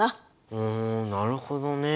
ふんなるほどね。